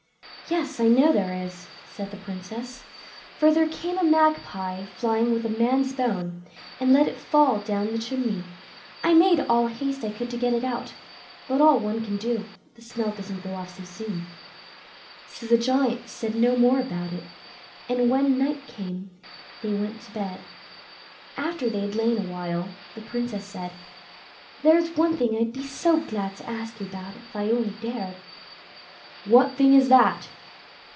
"Yes, I know there is", said the Princess, "for there came a magpie flying with a man's bone, and let it fall down the chimney. I made all the haste I could to get it out, but all one can do, the smell doesn't go off so soon." So the Giant said no more about it, and when night came, they went to bed. After they had lain awhile, the Princess said: "There is one thing I'd be so glad to ask you about, if I only dared." "What thing is that?"